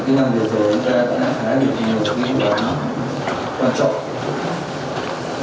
như là những truyền thống của công an